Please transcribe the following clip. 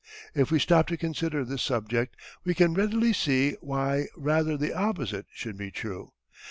If we stop to consider this subject we can readily see why rather the opposite should be true.